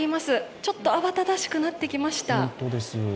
ちょっと慌ただしくなってきました。